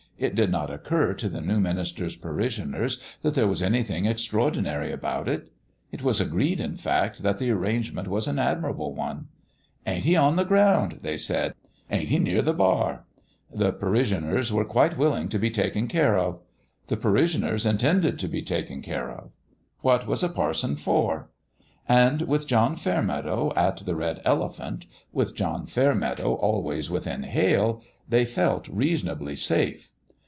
It did not occur to the new minister's parishioners that there was anything extraordinary about it. It was agreed, in fact, that the arrangement was an admirable one. "Ain't he on the ground?" they said. "Ain't he near the bar?" The pa rishioners were quite willing to be taken care of. The parishioners intended to be taken care of. PALE PETER'S GAME 71 What was a parson for? And with John Fair meadow at the Red Elephant with John Fair meadow always within hail they felt reasonably safe.